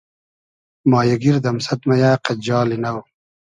مایی گیر دئمسئد مئیۂ قئد جالی نۆ